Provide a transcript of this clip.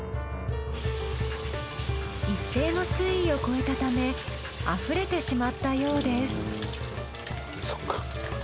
一定の水位を超えたため溢れてしまったようです。